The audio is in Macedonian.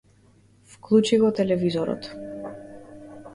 Вклучи го телевизорот.